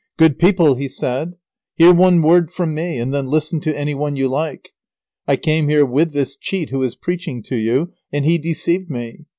"Good people," he said, "hear one word from me, and then listen to any one you like. I came here with this cheat who is preaching to you, and he deceived me.